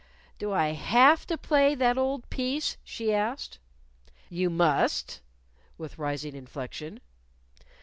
"Do I have to play that old piece?" she asked. "You must," with rising inflection.